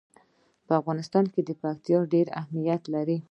په افغانستان کې پکتیا ډېر اهمیت لري.